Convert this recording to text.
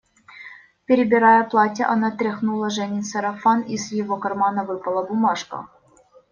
Перебирая платья, она тряхнула Женин сарафан, из его кармана выпала бумажка.